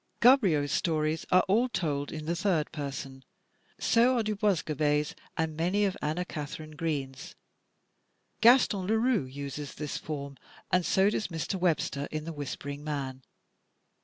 Gaboriau's stories are all told in the third person; so are DuBoisgobey's and many of Anna Katharine Green's. Gaston Leroux uses this form and so does Mr. Webster in "The Whispering Man."